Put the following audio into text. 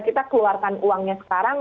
kita keluarkan uangnya sekarang